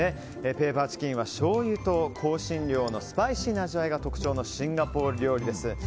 ペーパーチキンは、しょうゆと香辛料のスパイシーな味わいが特徴のシンガポール料理です。